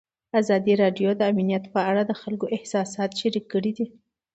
ازادي راډیو د امنیت په اړه د خلکو احساسات شریک کړي.